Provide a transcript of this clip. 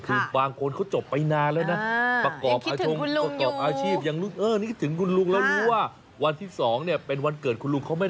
คือบางคนเขาจบไปนานแล้วนะ